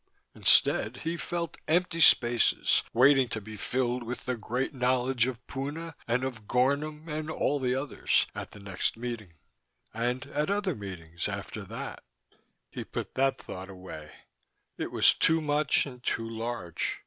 Instead, he felt empty spaces, waiting to be filled with the great knowledge of Puna and of Gornom and all the others, at the next meeting. And at other meetings, after that.... He put that thought away: it was too much and too large.